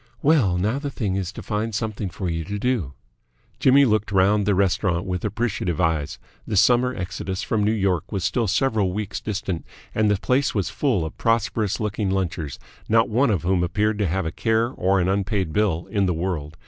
"Well, now the thing is to find something for you to do." Jimmy looked round the restaurant with appreciative eyes. The summer exodus from New York was still several weeks distant, and the place was full of prosperous looking lunchers, not one of whom appeared to have a care or an unpaid bill in the world.